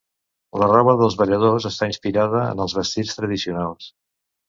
La roba dels balladors està inspirada en els vestits tradicionals.